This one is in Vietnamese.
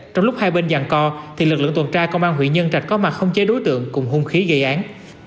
trong lúc hai bên giàn co lực lượng tuần tra công an huyện nhân trạch có mặt không chế đối tượng cùng hung khí gây án